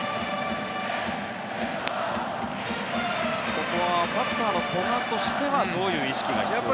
ここはバッターの古賀としてはどういう意識が必要になりますか。